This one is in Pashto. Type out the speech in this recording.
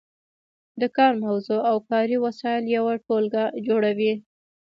د کار موضوع او کاري وسایل یوه ټولګه جوړوي.